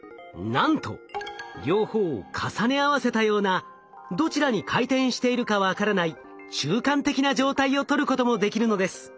なんと両方を重ね合わせたようなどちらに回転しているか分からない中間的な状態を取ることもできるのです。